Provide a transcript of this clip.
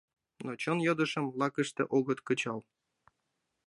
Но чон йодышым лакыште огыт кычал.